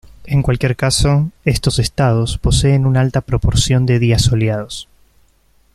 En cualquier caso, estos estados, poseen una alta proporción de días soleados.